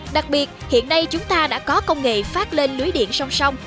đặc biệt hiện nay chúng ta đã có công nghệ phát lên lưới điện song song